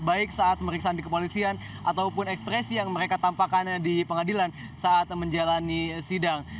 baik saat meriksaan di kepolisian ataupun ekspresi yang mereka tampakkan di pengadilan saat menjalani sidang